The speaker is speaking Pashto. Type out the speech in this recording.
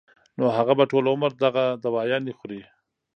نو هغه به ټول عمر دغه دوايانې خوري